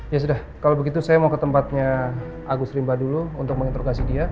ya sudah kalau begitu saya mau ke tempatnya agus rimba dulu untuk menginterogasi dia